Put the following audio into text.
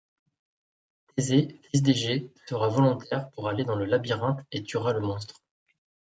Thésée, fils d’Égée, sera volontaire pour aller dans le labyrinthe et tuera le monstre.